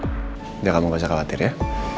tidak kamu gak usah khawatir ya